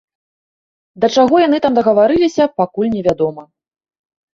Да чаго яны там дагаварыліся, пакуль невядома.